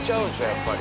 やっぱり。